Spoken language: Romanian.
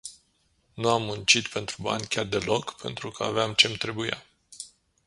Nu am muncit pentru bani chiar deloc, pentru că aveam ce-mi trebuia.